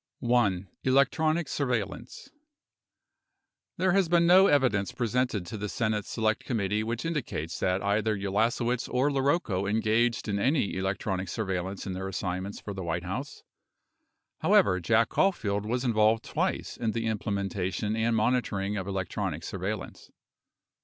14 1. ELECTRONIC SURVEILLANCE There has been no evidence presented to the Senate Select Com mittee which indicates that either Ulasewicz or LaRocco engaged in any electronic surveillance in their assignments for the White House. However, Jack Caulfield was involved twice in the implementation and monitoring of electronic surveillance.